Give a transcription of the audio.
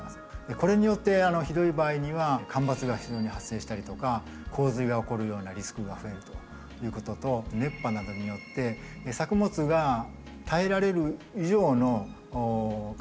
これによってひどい場合には干ばつが非常に発生したりとか洪水が起こるようなリスクが増えるということと熱波などによって作物が耐えられる以上の環境条件になってしまうと。